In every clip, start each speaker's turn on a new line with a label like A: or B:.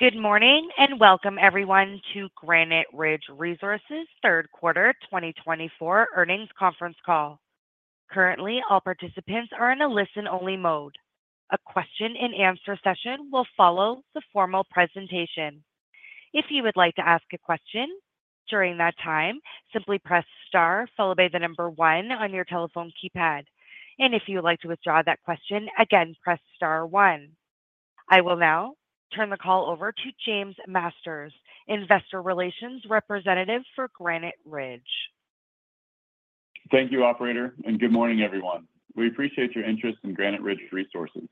A: Good morning and welcome, everyone, to Granite Ridge Resources' third quarter 2024 earnings conference call. Currently, all participants are in a listen-only mode. A question-and-answer session will follow the formal presentation. If you would like to ask a question during that time, simply press star followed by the number one on your telephone keypad. And if you would like to withdraw that question, again, press star one. I will now turn the call over to James Masters, Investor Relations Representative for Granite Ridge.
B: Thank you, Operator, and good morning, everyone. We appreciate your interest in Granite Ridge Resources.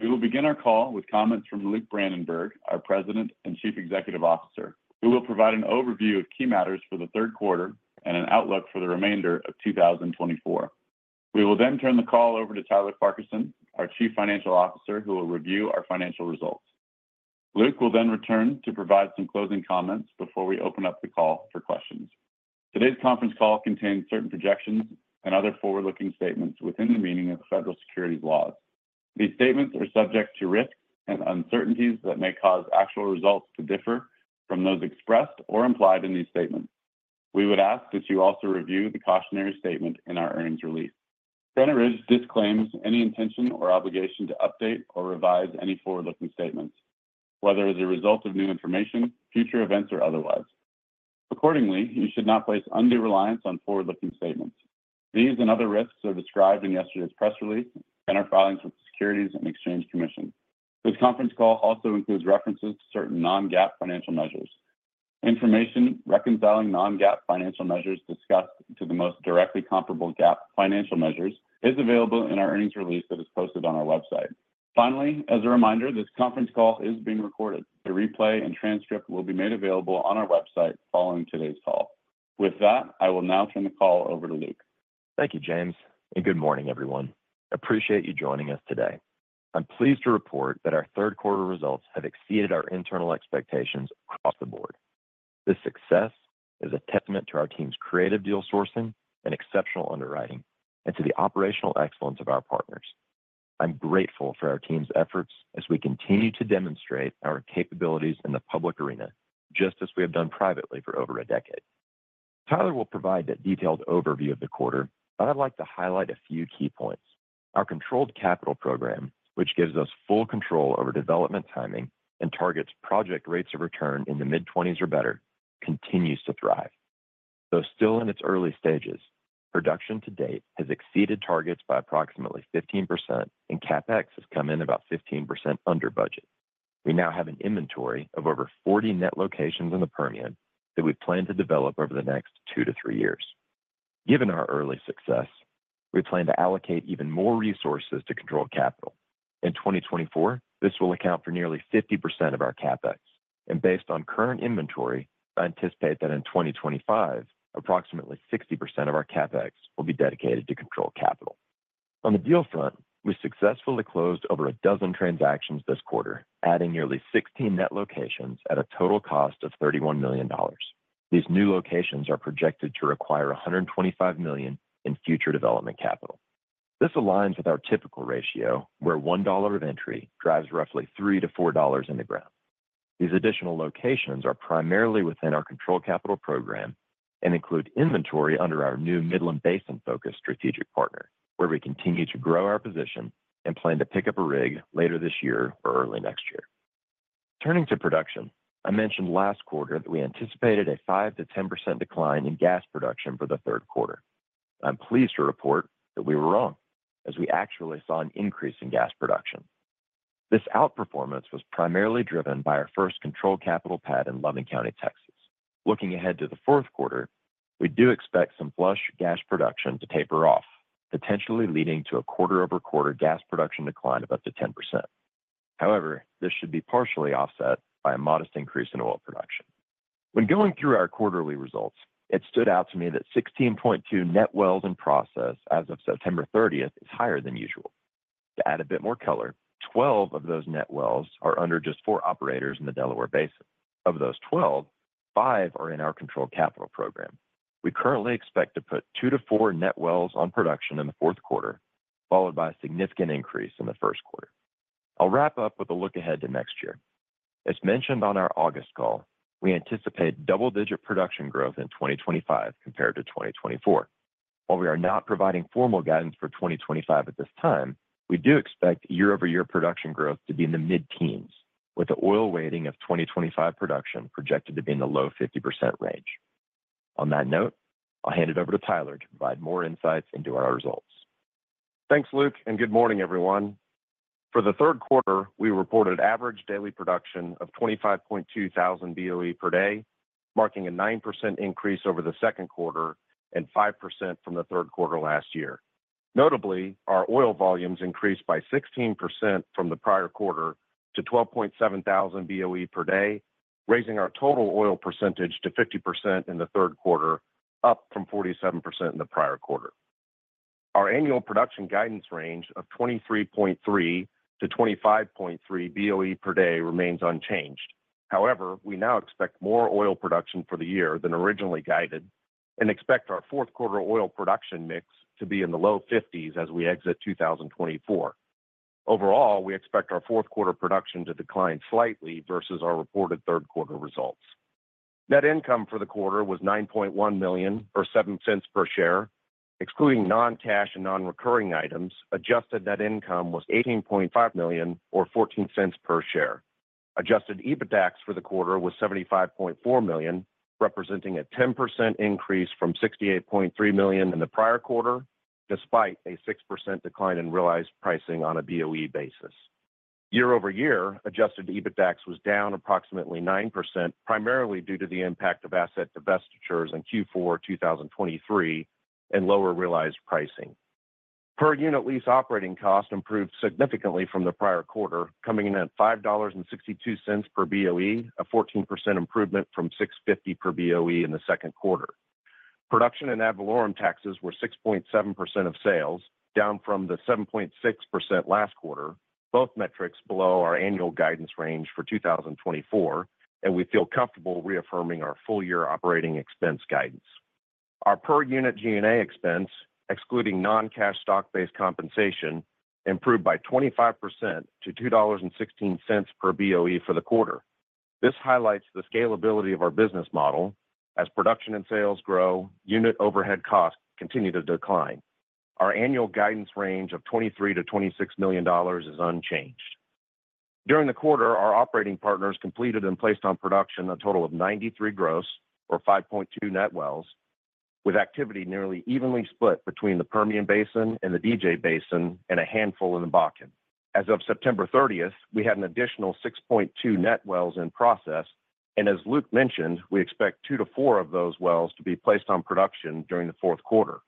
B: We will begin our call with comments from Luke Brandenburg, our President and Chief Executive Officer, who will provide an overview of key matters for the third quarter and an outlook for the remainder of 2024. We will then turn the call over to Tyler Farquharson, our Chief Financial Officer, who will review our financial results. Luke will then return to provide some closing comments before we open up the call for questions. Today's conference call contains certain projections and other forward-looking statements within the meaning of the federal securities laws. These statements are subject to risks and uncertainties that may cause actual results to differ from those expressed or implied in these statements. We would ask that you also review the cautionary statement in our earnings release. Granite Ridge disclaims any intention or obligation to update or revise any forward-looking statements, whether as a result of new information, future events, or otherwise. Accordingly, you should not place undue reliance on forward-looking statements. These and other risks are described in yesterday's press release and in filings with the Securities and Exchange Commission. This conference call also includes references to certain non-GAAP financial measures. Information reconciling non-GAAP financial measures discussed to the most directly comparable GAAP financial measures is available in our earnings release that is posted on our website. Finally, as a reminder, this conference call is being recorded. A replay and transcript will be made available on our website following today's call. With that, I will now turn the call over to Luke.
C: Thank you, James, and good morning, everyone. I appreciate you joining us today. I'm pleased to report that our third quarter results have exceeded our internal expectations across the board. This success is a testament to our team's creative deal sourcing and exceptional underwriting, and to the operational excellence of our partners. I'm grateful for our team's efforts as we continue to demonstrate our capabilities in the public arena, just as we have done privately for over a decade. Tyler will provide that detailed overview of the quarter, but I'd like to highlight a few key points. Our controlled capital program, which gives us full control over development timing and targets project rates of return in the mid-20s or better, continues to thrive. Though still in its early stages, production to date has exceeded targets by approximately 15%, and CapEx has come in about 15% under budget. We now have an inventory of over 40 net locations in the Permian that we plan to develop over the next two to three years. Given our early success, we plan to allocate even more resources to controlled capital. In 2024, this will account for nearly 50% of our CapEx, and based on current inventory, I anticipate that in 2025, approximately 60% of our CapEx will be dedicated to controlled capital. On the deal front, we successfully closed over a dozen transactions this quarter, adding nearly 16 net locations at a total cost of $31 million. These new locations are projected to require $125 million in future development capital. This aligns with our typical ratio, where $1 of entry drives roughly $3-$4 in the ground. These additional locations are primarily within our controlled capital program and include inventory under our new Midland Basin-focused strategic partner, where we continue to grow our position and plan to pick up a rig later this year or early next year. Turning to production, I mentioned last quarter that we anticipated a 5%-10% decline in gas production for the third quarter. I'm pleased to report that we were wrong, as we actually saw an increase in gas production. This outperformance was primarily driven by our first controlled capital pad in Loving County, Texas. Looking ahead to the fourth quarter, we do expect some flush gas production to taper off, potentially leading to a quarter-over-quarter gas production decline of up to 10%. However, this should be partially offset by a modest increase in oil production. When going through our quarterly results, it stood out to me that 16.2 net wells in process as of September 30th is higher than usual. To add a bit more color, 12 of those net wells are under just four operators in the Delaware Basin. Of those 12, five are in our Controlled Capital program. We currently expect to put two to four net wells on production in the fourth quarter, followed by a significant increase in the first quarter. I'll wrap up with a look ahead to next year. As mentioned on our August call, we anticipate double-digit production growth in 2025 compared to 2024. While we are not providing formal guidance for 2025 at this time, we do expect year-over-year production growth to be in the mid-teens, with the oil weighting of 2025 production projected to be in the low 50% range. On that note, I'll hand it over to Tyler to provide more insights into our results.
D: Thanks, Luke, and good morning, everyone. For the third quarter, we reported average daily production of 25,200 BOE per day, marking a 9% increase over the second quarter and 5% from the third quarter last year. Notably, our oil volumes increased by 16% from the prior quarter to 12,700 BOE per day, raising our total oil percentage to 50% in the third quarter, up from 47% in the prior quarter. Our annual production guidance range of 23.3-25.3 BOE per day remains unchanged. However, we now expect more oil production for the year than originally guided and expect our fourth quarter oil production mix to be in the low 50s as we exit 2024. Overall, we expect our fourth quarter production to decline slightly versus our reported third quarter results. Net income for the quarter was $9.1 million or $0.07 per share. Excluding non-cash and non-recurring items, adjusted net income was $18.5 million or $0.14 per share. Adjusted EBITDAX for the quarter was $75.4 million, representing a 10% increase from $68.3 million in the prior quarter, despite a 6% decline in realized pricing on a BOE basis. Year-over-year, adjusted EBITDAX was down approximately 9%, primarily due to the impact of asset divestitures in Q4 2023 and lower realized pricing. Per unit lease operating cost improved significantly from the prior quarter, coming in at $5.62 per BOE, a 14% improvement from $6.50 per BOE in the second quarter. Production and ad valorem taxes were 6.7% of sales, down from the 7.6% last quarter, both metrics below our annual guidance range for 2024, and we feel comfortable reaffirming our full-year operating expense guidance. Our per unit G&A expense, excluding non-cash stock-based compensation, improved by 25% to $2.16 per BOE for the quarter. This highlights the scalability of our business model. As production and sales grow, unit overhead costs continue to decline. Our annual guidance range of $23 million-$26 million is unchanged. During the quarter, our operating partners completed and placed on production a total of 93 gross or 5.2 net wells, with activity nearly evenly split between the Permian Basin and the DJ Basin and a handful in the Bakken. As of September 30th, we had an additional 6.2 net wells in process, and as Luke mentioned, we expect two to four of those wells to be placed on production during the fourth quarter.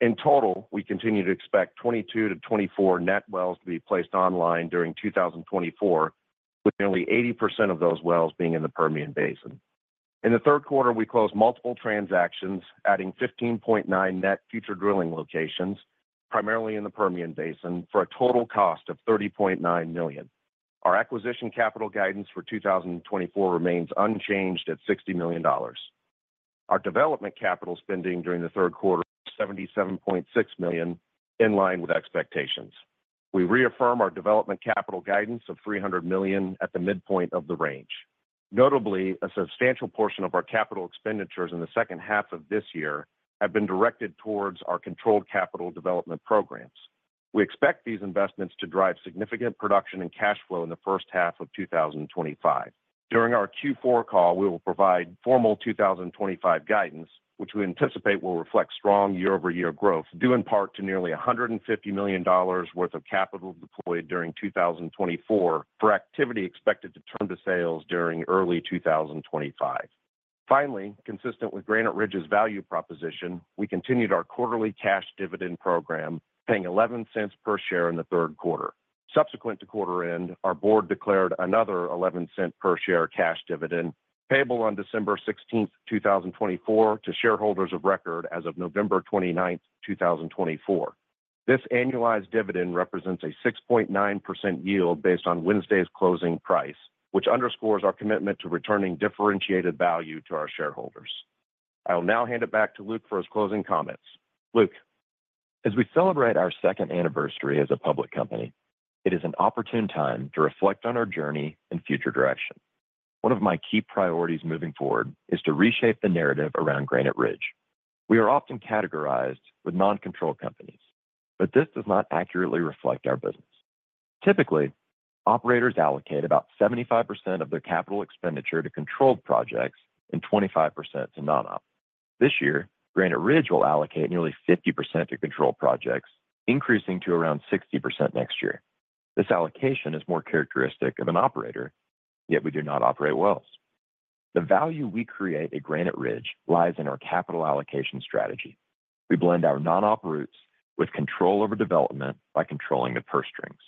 D: In total, we continue to expect 22 to 24 net wells to be placed online during 2024, with nearly 80% of those wells being in the Permian Basin. In the third quarter, we closed multiple transactions, adding 15.9 net future drilling locations, primarily in the Permian Basin, for a total cost of $30.9 million. Our acquisition capital guidance for 2024 remains unchanged at $60 million. Our development capital spending during the third quarter was $77.6 million, in line with expectations. We reaffirm our development capital guidance of $300 million at the midpoint of the range. Notably, a substantial portion of our capital expenditures in the second half of this year have been directed towards our controlled capital development programs. We expect these investments to drive significant production and cash flow in the first half of 2025. During our Q4 call, we will provide formal 2025 guidance, which we anticipate will reflect strong year-over-year growth, due in part to nearly $150 million worth of capital deployed during 2024 for activity expected to turn to sales during early 2025. Finally, consistent with Granite Ridge's value proposition, we continued our quarterly cash dividend program, paying $0.11 per share in the third quarter. Subsequent to quarter end, our board declared another $0.11 per share cash dividend, payable on December 16th, 2024, to shareholders of record as of November 29th, 2024. This annualized dividend represents a 6.9% yield based on Wednesday's closing price, which underscores our commitment to returning differentiated value to our shareholders. I will now hand it back to Luke for his closing comments. Luke.
C: As we celebrate our second anniversary as a public company, it is an opportune time to reflect on our journey and future direction. One of my key priorities moving forward is to reshape the narrative around Granite Ridge. We are often categorized with non-control companies, but this does not accurately reflect our business. Typically, operators allocate about 75% of their capital expenditure to controlled projects and 25% to non-op. This year, Granite Ridge will allocate nearly 50% to controlled projects, increasing to around 60% next year. This allocation is more characteristic of an operator, yet we do not operate wells. The value we create at Granite Ridge lies in our capital allocation strategy. We blend our non-op roots with control over development by controlling the purse strings.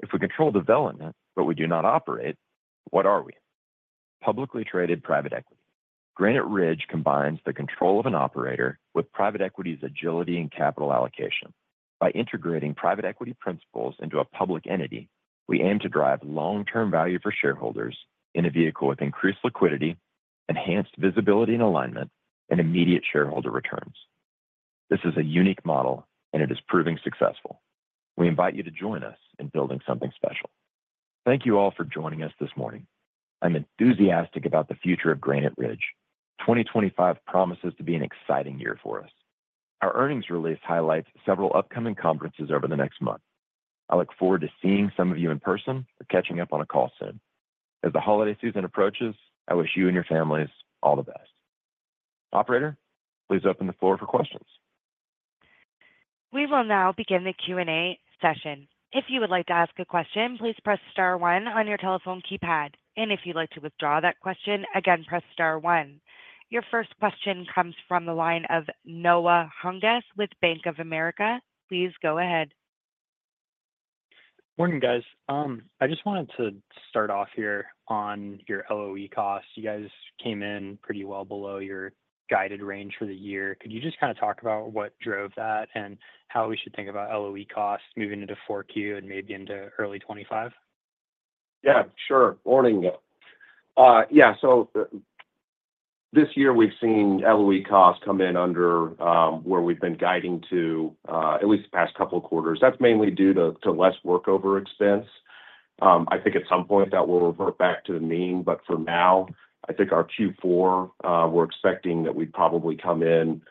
C: If we control development, but we do not operate, what are we? Publicly traded private equity. Granite Ridge combines the control of an operator with private equity's agility and capital allocation. By integrating private equity principles into a public entity, we aim to drive long-term value for shareholders in a vehicle with increased liquidity, enhanced visibility and alignment, and immediate shareholder returns. This is a unique model, and it is proving successful. We invite you to join us in building something special. Thank you all for joining us this morning. I'm enthusiastic about the future of Granite Ridge. 2025 promises to be an exciting year for us. Our earnings release highlights several upcoming conferences over the next month. I look forward to seeing some of you in person or catching up on a call soon. As the holiday season approaches, I wish you and your families all the best. Operator, please open the floor for questions.
A: We will now begin the Q&A session. If you would like to ask a question, please press star one on your telephone keypad. If you'd like to withdraw that question, again, press star one. Your first question comes from the line of Noah Hungness with Bank of America. Please go ahead.
E: Morning, guys. I just wanted to start off here on your LOE costs. You guys came in pretty well below your guided range for the year. Could you just kind of talk about what drove that and how we should think about LOE costs moving into 4Q and maybe into early 2025?
D: Yeah, sure. Morning. Yeah, so this year we've seen LOE costs come in under where we've been guiding to at least the past couple of quarters. That's mainly due to less workover expense. I think at some point that will revert back to the mean, but for now, I think our Q4, we're expecting that we probably come in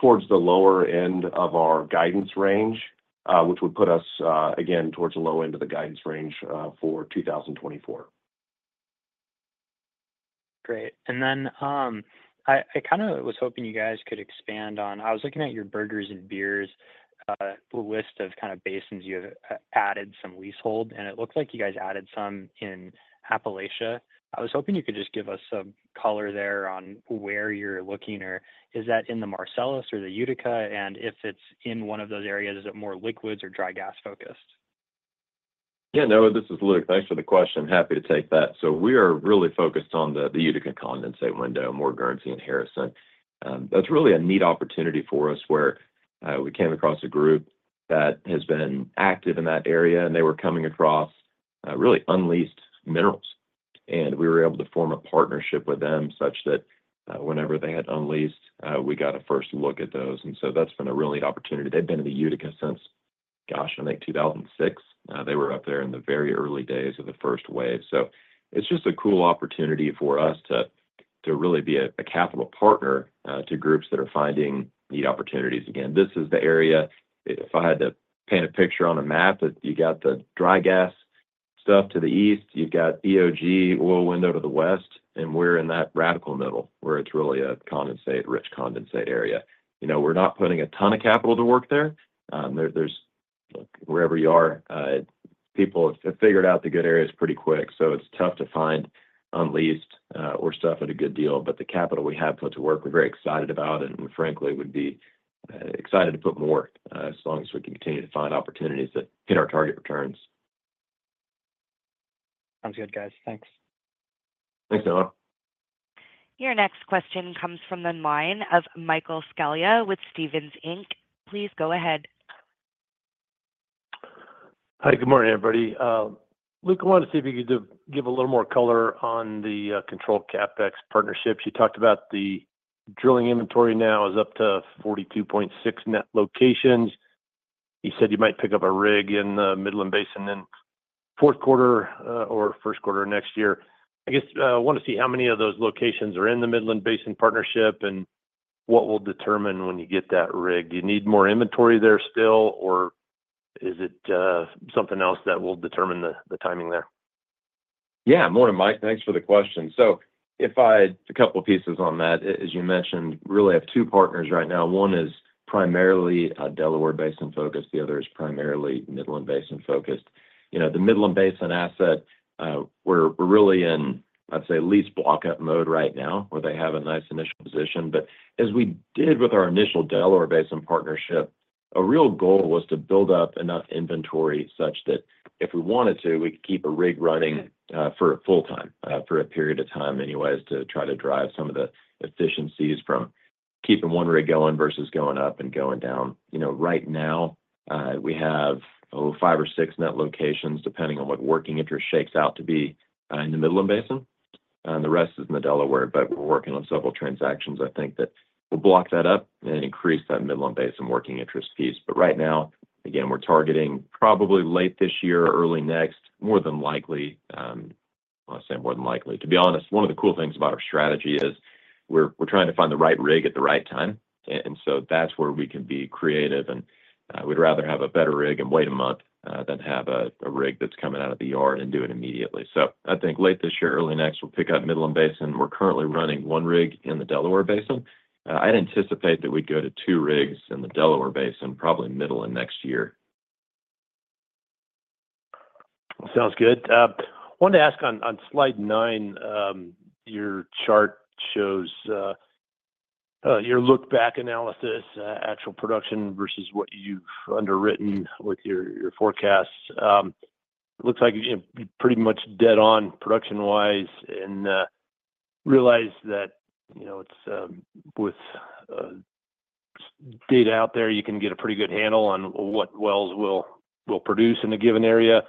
D: towards the lower end of our guidance range, which would put us, again, towards the low end of the guidance range for 2024.
E: Great. And then I kind of was hoping you guys could expand on, I was looking at your Burgers & Beers list of kind of basins you have added some leasehold, and it looks like you guys added some in Appalachia. I was hoping you could just give us some color there on where you're looking, or is that in the Marcellus or the Utica? And if it's in one of those areas, is it more liquids or dry gas focused?
C: Yeah, no, this is Luke. Thanks for the question. Happy to take that. So we are really focused on the Utica condensate window, more in Guernsey and Harrison. That's really a neat opportunity for us where we came across a group that has been active in that area, and they were coming across really unleased minerals. And we were able to form a partnership with them such that whenever they had unleased, we got a first look at those. And so that's been a real neat opportunity. They've been in the Utica since, gosh, I think 2006. They were up there in the very early days of the first wave. So it's just a cool opportunity for us to really be a capital partner to groups that are finding neat opportunities again. This is the area. If I had to paint a picture on a map, you got the dry gas stuff to the east, you've got EOG oil window to the west, and we're in that radical middle where it's really a condensate, rich condensate area. We're not putting a ton of capital to work there. Wherever you are, people have figured out the good areas pretty quick. So it's tough to find unleased or such at a good deal, but the capital we have put to work, we're very excited about it, and frankly, would be excited to put more as long as we can continue to find opportunities that hit our target returns.
E: Sounds good guys. Thanks.
C: Thanks Noah.
A: Your next question comes from the line of Michael Scialla with Stephens Inc. Please go ahead.
F: Hi, good morning, everybody. Luke, I wanted to see if you could give a little more color on the controlled CapEx partnerships. You talked about the drilling inventory now is up to 42.6 net locations. You said you might pick up a rig in the Midland Basin in fourth quarter or first quarter next year. I guess I want to see how many of those locations are in the Midland Basin partnership and what will determine when you get that rig. Do you need more inventory there still, or is it something else that will determine the timing there?
C: Yeah, morning, Mike. Thanks for the question. So if I had a couple of pieces on that, as you mentioned, really have two partners right now. One is primarily a Delaware Basin-focused. The other is primarily Midland Basin-focused. The Midland Basin asset, we're really in, I'd say, lease buildup mode right now, where they have a nice initial position. But as we did with our initial Delaware Basin partnership, a real goal was to build up enough inventory such that if we wanted to, we could keep a rig running for a full time for a period of time anyways to try to drive some of the efficiencies from keeping one rig going versus going up and going down. Right now, we have five or six net locations, depending on what working interest shakes out to be in the Midland Basin. The rest is in the Delaware, but we're working on several transactions. I think that we'll block that up and increase that Midland Basin working interest piece. But right now, again, we're targeting probably late this year, early next, more than likely, I'll say more than likely. To be honest, one of the cool things about our strategy is we're trying to find the right rig at the right time. And so that's where we can be creative. And we'd rather have a better rig and wait a month than have a rig that's coming out of the yard and do it immediately. So I think late this year, early next, we'll pick up Midland Basin. We're currently running one rig in the Delaware Basin. I'd anticipate that we'd go to two rigs in the Delaware Basin, probably middle of next year.
F: Sounds good. I wanted to ask on slide nine, your chart shows your look-back analysis, actual production versus what you've underwritten with your forecasts. It looks like you're pretty much dead on production-wise and realize that with data out there, you can get a pretty good handle on what wells will produce in a given area.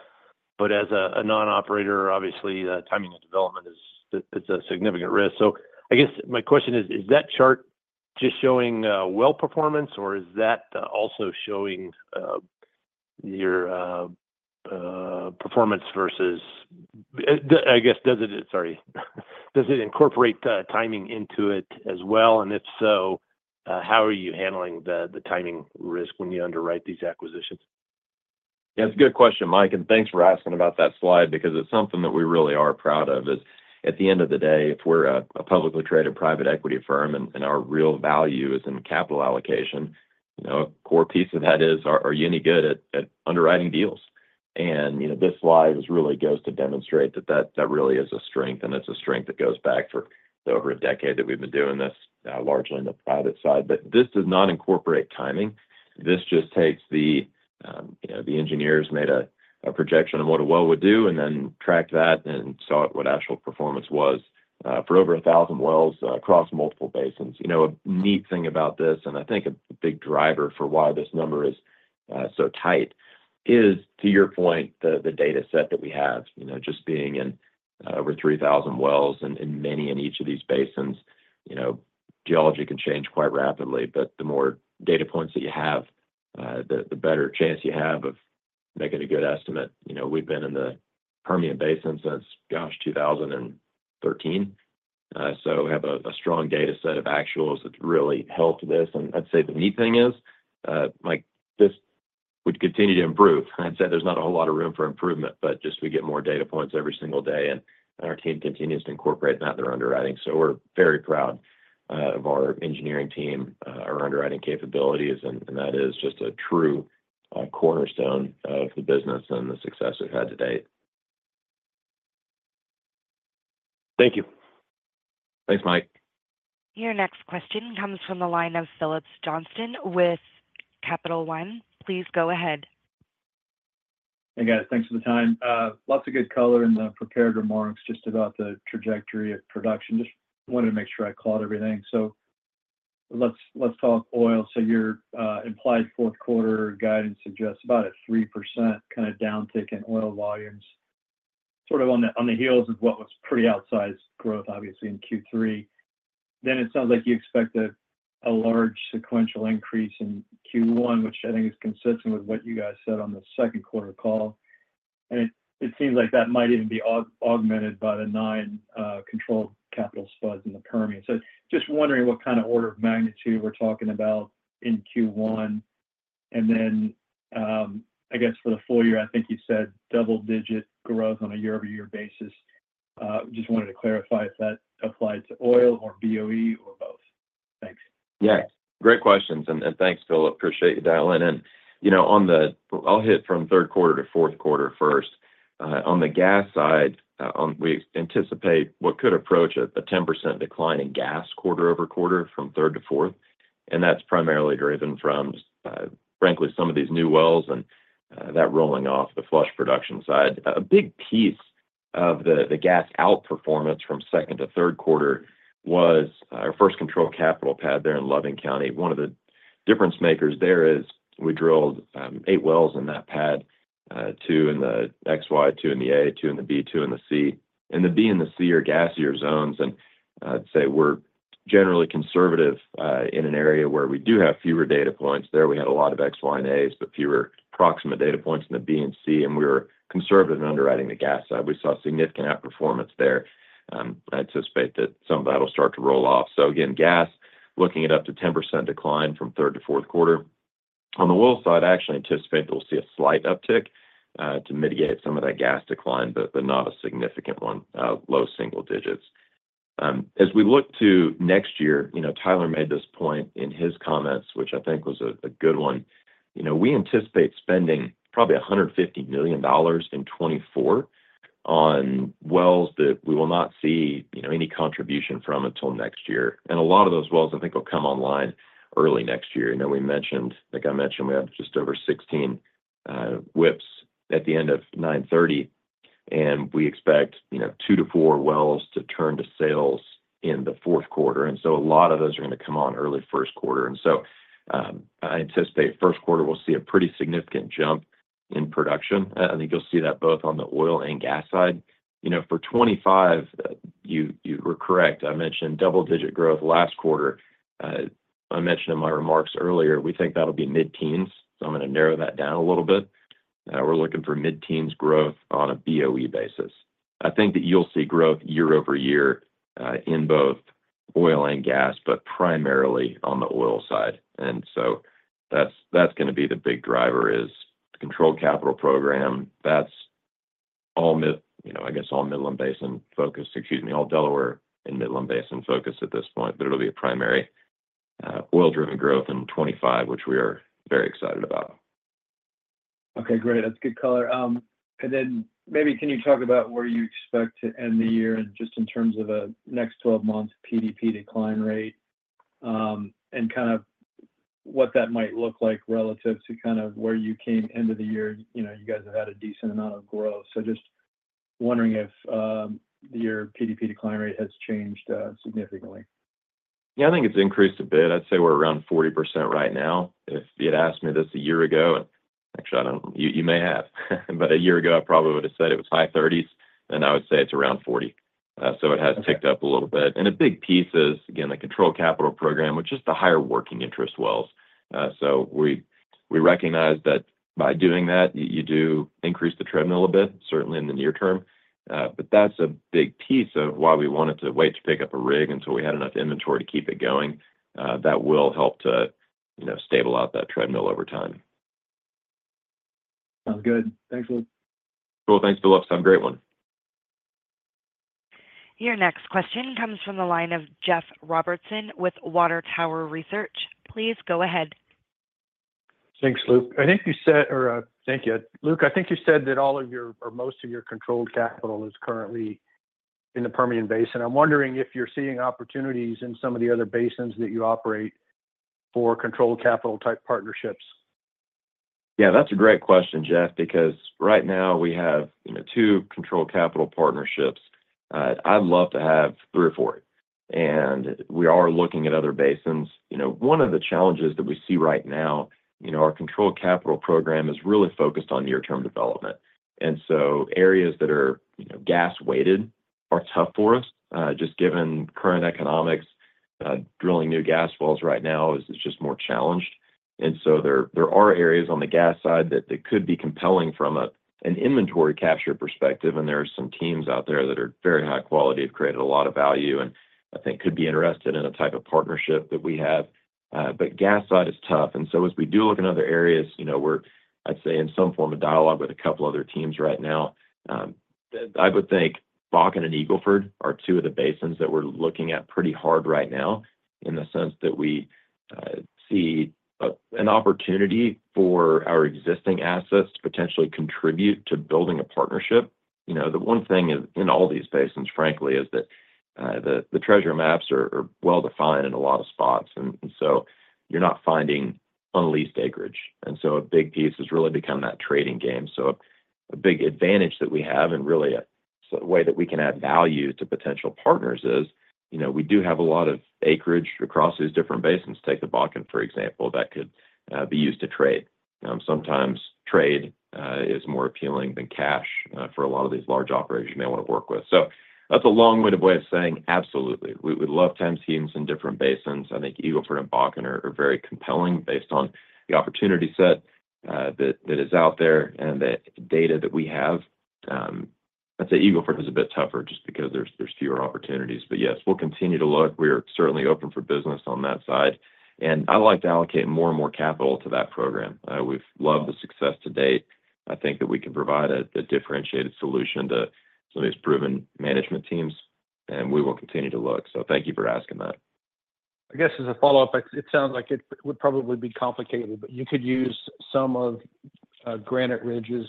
F: But as a non-operator, obviously, timing and development is a significant risk. So I guess my question is, is that chart just showing well performance, or is that also showing your performance versus, I guess, does it, sorry, does it incorporate timing into it as well? And if so, how are you handling the timing risk when you underwrite these acquisitions?
C: Yeah, it's a good question, Mike. And thanks for asking about that slide because it's something that we really are proud of. At the end of the day, if we're a publicly traded private equity firm and our real value is in capital allocation, a core piece of that is, are you any good at underwriting deals? And this slide really goes to demonstrate that that really is a strength, and it's a strength that goes back for over a decade that we've been doing this largely on the private side. But this does not incorporate timing. This just takes the engineers made a projection of what a well would do, and then tracked that and saw what actual performance was for over 1,000 wells across multiple basins. A neat thing about this, and I think a big driver for why this number is so tight, is to your point, the data set that we have, just being in over 3,000 wells and many in each of these basins. Geology can change quite rapidly. But the more data points that you have, the better chance you have of making a good estimate. We've been in the Permian Basin since, gosh, 2013. So we have a strong data set of actuals that's really helped this. And I'd say the neat thing is, Mike, this would continue to improve. I'd say there's not a whole lot of room for improvement, but just we get more data points every single day, and our team continues to incorporate that in their underwriting. So we're very proud of our engineering team, our underwriting capabilities, and that is just a true cornerstone of the business and the success we've had to date.
F: Thank you.
C: Thanks, Mike.
A: Your next question comes from the line of Phillips Johnston with Capital One. Please go ahead.
G: Hey, guys. Thanks for the time. Lots of good color in the prepared remarks just about the trajectory of production. Just wanted to make sure I caught everything. So let's talk oil. So your implied fourth quarter guidance suggests about a 3% kind of downtick in oil volumes, sort of on the heels of what was pretty outsized growth, obviously, in Q3. Then it sounds like you expect a large sequential increase in Q1, which I think is consistent with what you guys said on the second quarter call. And it seems like that might even be augmented by the nine controlled capital spuds in the Permian. So just wondering what kind of order of magnitude we're talking about in Q1. And then I guess for the full year, I think you said double-digit growth on a year-over-year basis. Just wanted to clarify if that applied to oil or BOE or both. Thanks.
C: Yeah, great questions. And thanks, Phil. Appreciate you dialing in. And I'll hit from third quarter to fourth quarter first. On the gas side, we anticipate what could approach a 10% decline in gas quarter over quarter from third to fourth. And that's primarily driven from, frankly, some of these new wells and that rolling off the flush production side. A big piece of the gas outperformance from second to third quarter was our first Controlled Capital pad there in Loving County. One of the difference makers there is we drilled eight wells in that pad, two in the XY, two in the A, two in the B, two in the C. And the B and the C are gassier zones. And I'd say we're generally conservative in an area where we do have fewer data points. There we had a lot of XY and As, but fewer proximate data points in the B and C. And we were conservative in underwriting the gas side. We saw significant outperformance there. I anticipate that some of that will start to roll off. So again, gas, looking at up to 10% decline from third to fourth quarter. On the oil side, I actually anticipate that we'll see a slight uptick to mitigate some of that gas decline, but not a significant one, low single digits. As we look to next year, Tyler made this point in his comments, which I think was a good one. We anticipate spending probably $150 million in 2024 on wells that we will not see any contribution from until next year. And a lot of those wells, I think, will come online early next year. Then we mentioned, like I mentioned, we have just over 16 WIPs at the end of 9/30, and we expect two to four wells to turn to sales in the fourth quarter. A lot of those are going to come on early first quarter. I anticipate first quarter we'll see a pretty significant jump in production. I think you'll see that both on the oil and gas side. For 2025, you were correct. I mentioned double-digit growth last quarter. I mentioned in my remarks earlier, we think that'll be mid-teens. I'm going to narrow that down a little bit. We're looking for mid-teens growth on a BOE basis. I think that you'll see growth year over year in both oil and gas, but primarily on the oil side. That's going to be the big driver is the Controlled Capital program. That's all, I guess, all Midland Basin-focused. Excuse me, all Delaware and Midland Basin-focused at this point, but it'll be a primary oil-driven growth in 2025, which we are very excited about.
G: Okay, great. That's good color, and then maybe can you talk about where you expect to end the year and just in terms of a next 12 months PDP decline rate and kind of what that might look like relative to kind of where you came into the year? You guys have had a decent amount of growth, so just wondering if your PDP decline rate has changed significantly.
C: Yeah, I think it's increased a bit. I'd say we're around 40% right now. If you'd asked me this a year ago, actually, you may have, but a year ago, I probably would have said it was high 30s, and I would say it's around 40. So it has ticked up a little bit, and a big piece is, again, the Controlled Capital program, which is the higher working interest wells. So we recognize that by doing that, you do increase the treadmill a bit, certainly in the near term, but that's a big piece of why we wanted to wait to pick up a rig until we had enough inventory to keep it going. That will help to stabilize out that treadmill over time.
G: Sounds good. Thanks, Luke.
C: Cool. Thanks, Phillips. Have a great one.
A: Your next question comes from the line of Jeff Robertson with Water Tower Research. Please go ahead.
H: Thanks, Luke. Thank you, Luke. I think you said that all of your, or most of your controlled capital is currently in the Permian Basin. I'm wondering if you're seeing opportunities in some of the other basins that you operate for controlled capital type partnerships.
C: Yeah, that's a great question, Jeff, because right now we have two controlled capital partnerships. I'd love to have three or four. And we are looking at other basins. One of the challenges that we see right now, our controlled capital program is really focused on near-term development. And so areas that are gas-weighted are tough for us, just given current economics. Drilling new gas wells right now is just more challenged. And so there are areas on the gas side that could be compelling from an inventory capture perspective. And there are some teams out there that are very high quality, have created a lot of value and I think could be interested in the type of partnership that we have. But gas side is tough. And so as we do look in other areas, we're, I'd say, in some form of dialogue with a couple of other teams right now. I would think Bakken and Eagle Ford are two of the basins that we're looking at pretty hard right now in the sense that we see an opportunity for our existing assets to potentially contribute to building a partnership. The one thing in all these basins, frankly, is that the treasure maps are well-defined in a lot of spots. And so you're not finding unleased acreage. And so a big piece has really become that trading game. So a big advantage that we have and really a way that we can add value to potential partners is we do have a lot of acreage across these different basins. Take the Bakken, for example, that could be used to trade. Sometimes trade is more appealing than cash for a lot of these large operators you may want to work with. So that's a long-winded way of saying absolutely. We'd love 10 teams in different basins. I think Eagle Ford and Bakken are very compelling based on the opportunity set that is out there and the data that we have. I'd say Eagle Ford is a bit tougher just because there's fewer opportunities. But yes, we'll continue to look. We are certainly open for business on that side. And I'd like to allocate more and more capital to that program. We've loved the success to date. I think that we can provide a differentiated solution to some of these proven management teams. And we will continue to look. So thank you for asking that.
H: I guess as a follow-up, it sounds like it would probably be complicated, but you could use some of Granite Ridge's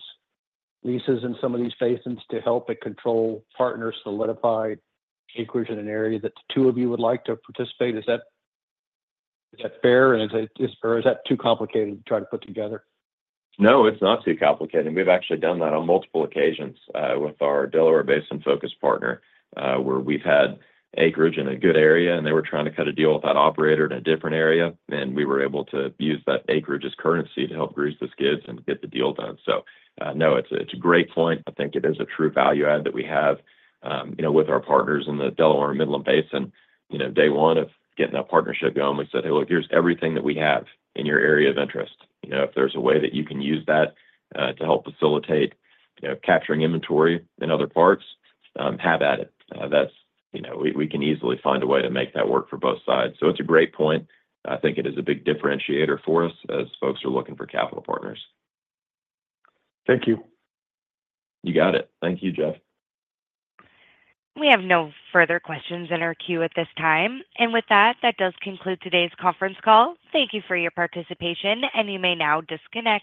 H: leases in some of these basins to help it control partners to let it buy acreage in an area that the two of you would like to participate. Is that fair? Or is that too complicated to try to put together?
C: No, it's not too complicated. We've actually done that on multiple occasions with our Delaware Basin-focused partner where we've had acreage in a good area, and they were trying to cut a deal with that operator in a different area, and we were able to use that acreage as currency to help grease the skids and get the deal done, so no, it's a great point. I think it is a true value add that we have with our partners in the Delaware and Midland Basin. Day one of getting that partnership going, we said, "Hey, look, here's everything that we have in your area of interest. If there's a way that you can use that to help facilitate capturing inventory in other parts, have at it." We can easily find a way to make that work for both sides, so it's a great point. I think it is a big differentiator for us as folks are looking for capital partners.
H: Thank you.
C: You got it. Thank you, Jeff.
A: We have no further questions in our queue at this time. And with that, that does conclude today's conference call. Thank you for your participation, and you may now disconnect.